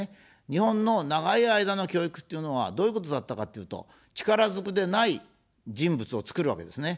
日本の長い間の教育というのは、どういうことだったかっていうと、力ずくでない人物を作るわけですね。